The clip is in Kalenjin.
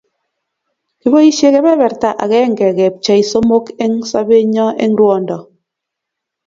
Kiboisie kebertab agenge kepchee somok eng sobenyo eng ruondo